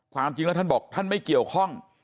ความจริงแล้วท่านบอกท่านไม่เกี่ยวข้อง